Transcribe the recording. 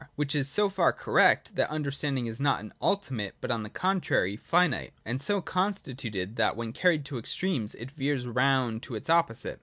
Which is so far correct, that understanding is not an ultimate, but on the contrary finite, and so constituted that when carried to extremes it veers round to its opposite.